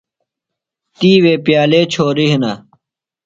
تی وے پِیالے چھوریۡ ہِنہ۔